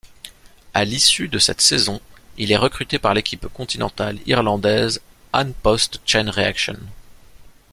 À l'issue de cette saison, il est recruté par l'équipe continentale irlandaise An Post-ChainReaction.